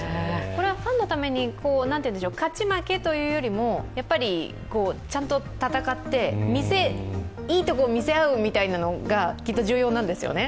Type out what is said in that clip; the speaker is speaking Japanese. これはファンのために勝ち負けというよりも、ちゃんと戦っていいところを見せ合うみたいなのがきっと重要なんですよね。